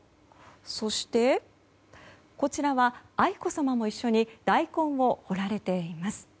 そして、こちらは愛子さまも一緒に大根を掘られています。